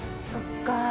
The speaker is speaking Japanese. そっか。